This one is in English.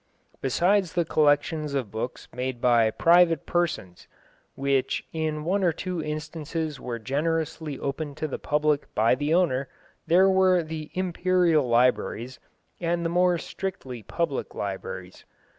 Besides the collections of books made by private persons, which in one or two instances were generously opened to the public by the owner, there were the imperial libraries, and the more strictly public libraries.